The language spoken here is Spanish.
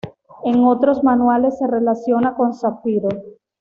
En otros manuales se relaciona con zafiro.